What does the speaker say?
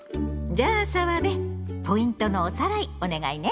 じゃあ澤部ポイントのおさらいお願いね！